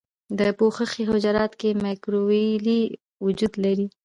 په پوښښي حجراتو کې مایکروویلې وجود لري.